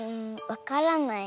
わからない。